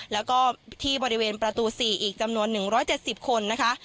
แล้วก็ที่บริเวณประตู๔อีกจำนวน๑๗๐คนนะคะ